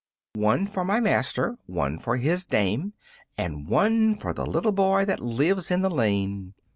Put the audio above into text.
"One for my master, one for his dame, And one for the little boy that lives in the lane."